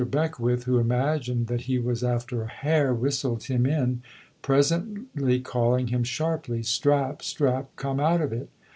Beckwith, who imagined that he was after a hare, whistled him in, presently calling him sharply, "Strap, Strap, come out of it."